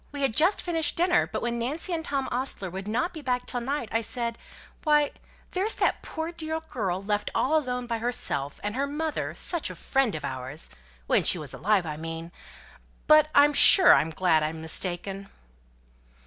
We had just finished dinner, but when Nancy said Tom Ostler would not be back till night, I said, 'Why, there's that poor dear girl left all alone by herself, and her mother such a friend of ours,' when she was alive, I mean. But I'm sure I'm glad I'm mistaken."